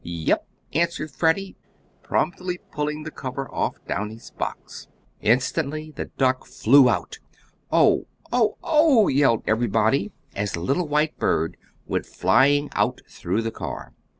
"Yep!" answered Freddie, promptly, pulling the cover off Downy's box. Instantly the duck flew out! "Oh! oh! oh!" yelled everybody, as the little white bird went flying out through the car.